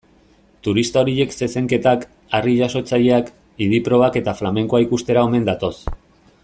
Turista horiek zezenketak, harri-jasotzaileak, idi-probak eta flamenkoa ikustera omen datoz.